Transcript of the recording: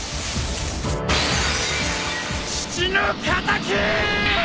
父の敵！